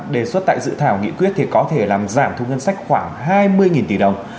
đề xuất tại dự thảo nghị quyết thì có thể làm giảm thu ngân sách khoảng hai mươi tỷ đồng